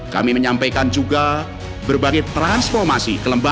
kami menyampaikan juga berbagai transformasi